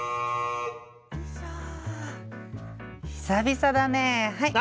久々だね。